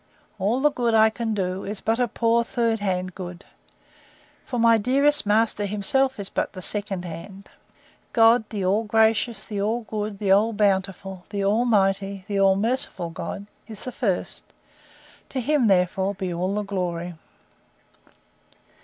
—All the good I can do, is but a poor third hand good; for my dearest master himself is but the second hand. God, the all gracious, the all good, the all bountiful, the all mighty, the all merciful God, is the first: To him, therefore, be all the glory!